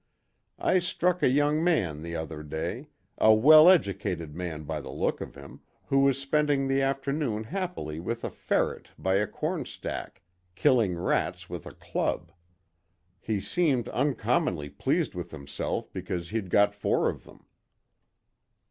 I struck a young man the other day a well educated man by the look of him who was spending the afternoon happily with a ferret by a corn stack, killing rats with a club. He seemed uncommonly pleased with himself because he'd got four of them."